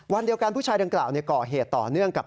วันเดียวกันผู้ชายดังกล่าวก่อเหตุต่อเนื่องกับ